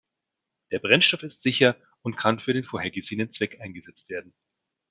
Der Brennstoff ist sicher und kann für den vorgesehenen Zweck eingesetzt werden.